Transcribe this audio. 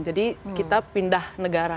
jadi kita pindah negara